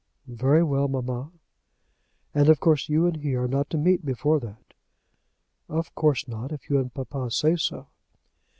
"Very well, mamma." "And, of course, you and he are not to meet before that." "Of course not, if you and papa say so."